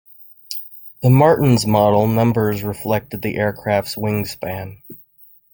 The Martin's model numbers reflected the aircraft's wingspan.